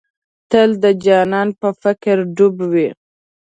تل د جانان په فکر ډوب وې.